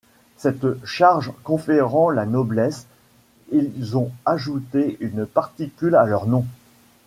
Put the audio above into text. Cette charge conférant la noblesse, ils ont ajouté une particule à leur nom.